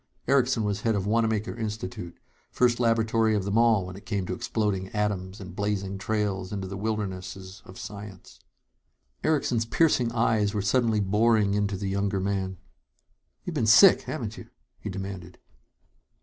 Erickson was head of Wanamaker Institute, first laboratory of them all when it came to exploding atoms and blazing trails into the wildernesses of science. Erickson's piercing eyes were suddenly boring into the younger man. "You've been sick, haven't you?" he demanded.